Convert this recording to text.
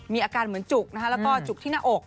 มีอาการเหมือนจุกแล้วก็จุกที่หน้าอก